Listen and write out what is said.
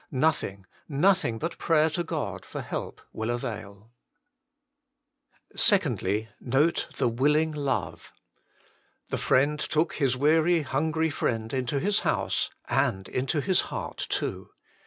Nothing, nothing but prayer to God for help, will av A MODEL OF INTERCESSION 35 2. Note the willing love. The friend took his weary, hungry friend into his house, and into his heart too.